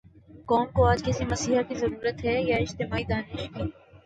قوم کو آج کسی مسیحا کی ضرورت ہے یا اجتماعی دانش کی؟